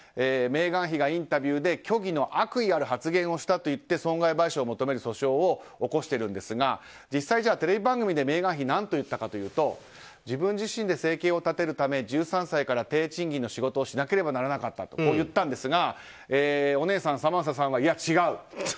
メーガン妃がインタビューで虚偽の悪意ある発言をしたといって損害賠償を求める訴訟を起こしているんですが実際、テレビ番組でメーガン妃は何と言ったかというと自分自身で生計を立てるため１３歳から低賃金の仕事をしなければならなかったとこう言ったんですがお姉さんのサマンサさんはいや違う。